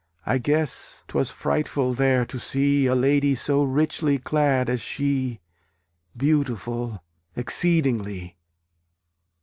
I guess, 'twas frightful there to see A lady so richly clad as she Beautiful exceedingly!